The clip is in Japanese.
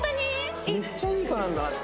めっちゃいい子なんだなって。